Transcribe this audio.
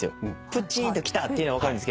プッチーンときたっていうのは分かるんですけど